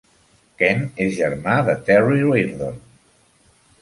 Ken és germà de Terry Reardon.